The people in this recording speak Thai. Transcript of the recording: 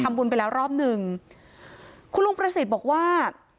บุญไปแล้วรอบหนึ่งคุณลุงประสิทธิ์บอกว่า